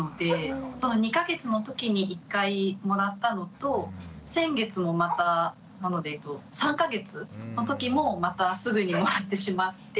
２か月のときに１回もらったのと先月もまたなので３か月のときもまたすぐにもらってしまって。